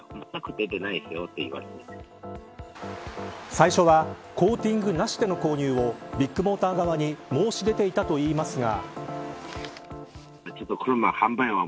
最初はコーティングなしでの購入をビッグモーター側に申し出ていたといいますが。